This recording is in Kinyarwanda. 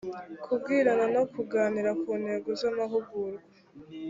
kwibwirana no kuganira ku ntego z amahugurwa